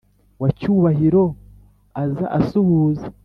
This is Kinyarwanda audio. wa cyubahiro aza asuhuza